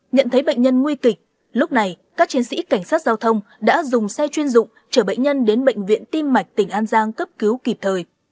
nhận thấy bệnh nhân nguy kịch lúc này các chiến sĩ cảnh sát giao thông đã dùng xe chuyên dụng chở bệnh nhân đến bệnh viện tim mạch tỉnh an giang cấp cứu kịp thời